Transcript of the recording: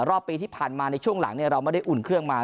รอบปีที่ผ่านมาในช่วงหลังเราไม่ได้อุ่นเครื่องมา